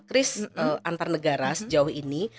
kris antar negara sejauh ini